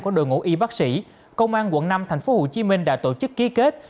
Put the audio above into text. của đội ngũ y bác sĩ công an quận năm tp hcm đã tổ chức ký kết